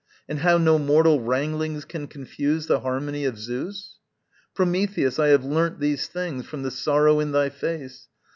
And how no mortal wranglings can confuse The harmony of Zeus? Prometheus, I have learnt these things From the sorrow in thy face.